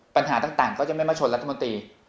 ปัญหาต่างก็จะไม่มาชนรัฐมนตรี